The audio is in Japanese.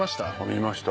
見ました。